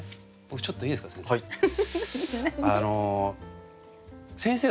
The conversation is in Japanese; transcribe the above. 僕ちょっといいですか先生。